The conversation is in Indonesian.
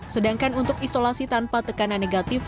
sedangkan untuk isolasi tanpa tekanan negatif